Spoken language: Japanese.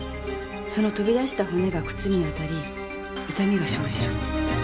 その飛び出した骨が靴に当たり痛みが生じる。